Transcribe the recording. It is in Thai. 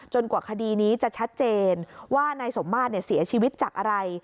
กว่าคดีนี้จะชัดเจนว่านายสมมาตรเสียชีวิตจากอะไร